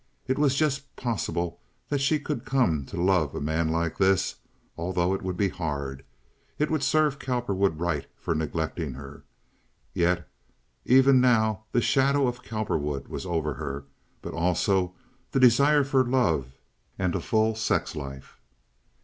It was just possible that she could come to love a man like this, although it would be hard. It would serve Cowperwood right for neglecting her. Yet even now the shadow of Cowperwood was over her, but also the desire for love and a full sex life.